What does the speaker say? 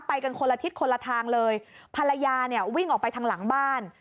กันคนละทิศคนละทางเลยภรรยาเนี่ยวิ่งออกไปทางหลังบ้าน